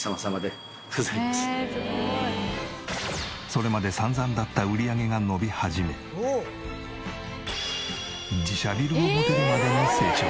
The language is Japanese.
それまで散々だった売り上げが伸び始め自社ビルを持てるまでに成長。